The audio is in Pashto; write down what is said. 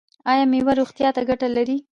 ایا میوه روغتیا ته ګټه لري؟